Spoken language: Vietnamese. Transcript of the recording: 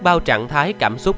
bao trạng thái cảm xúc